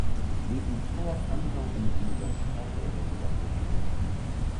Li instruas ankaŭ en universitato en Budapeŝto.